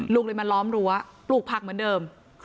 ลุงเลยมาล้อมรั้วปลูกผักเหมือนเดิม